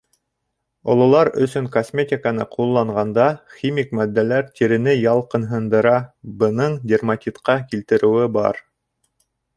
Ололар өсөн косметиканы ҡулланғанда химик матдәләр тирене ялҡынһындыра, бының дерматитҡа килтереүе бар.